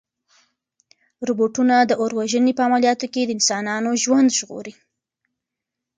روبوټونه د اور وژنې په عملیاتو کې د انسانانو ژوند ژغوري.